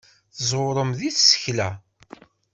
Tẓewrem deg tsekla.